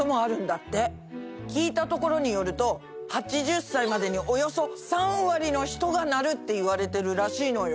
聞いたところによると８０歳までにおよそ３割の人がなるっていわれてるらしいのよ。